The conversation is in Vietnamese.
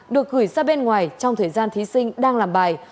được gửi ra bên ngoài trong thời gian thí sinh đang làm bài